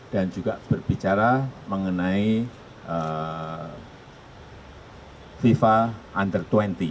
dan juga berbicara mengenai viva under dua puluh